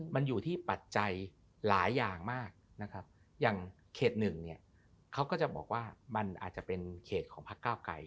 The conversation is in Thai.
มันอยู่ที่ปัจจัยหลายอย่างมากนะครับอย่างเขตหนึ่งเนี่ยเขาก็จะบอกว่ามันอาจจะเป็นเขตของพักเก้าไกร